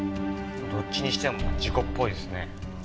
どっちにしても事故っぽいですね。